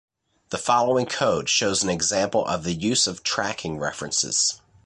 The following code shows an example of the use of tracking references.